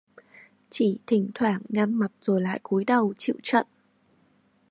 Chỉ Thỉnh thoảng nhăn mặt rồi lại cúi đầu chịu trận